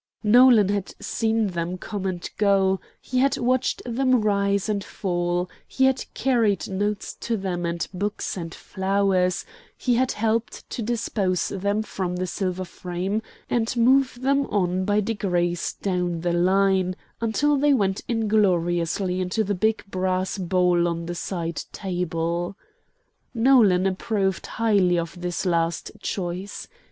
Nolan had seen them come and go; he had watched them rise and fall; he had carried notes to them, and books and flowers; and had helped to dispose them from the silver frame and move them on by degrees down the line, until they went ingloriously into the big brass bowl on the side table. Nolan approved highly of this last choice.